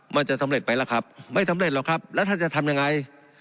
มันจะสำเร็จไหมล่ะครับไม่สำเร็จหรอกครับแล้วท่านจะทำยังไง